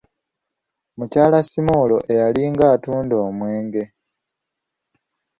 Mukyala 'Simoolo' eyalinga atunda omwenge.